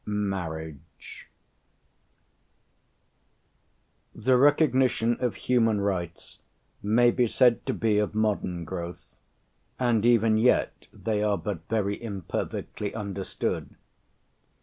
MARRIAGE |The recognition of human rights may be said to be of modern growth, and even yet they are but very imperfectly understood.